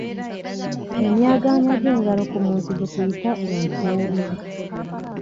Emyagaanya gy’engalo ku muntu gye tuyita e nkuuli.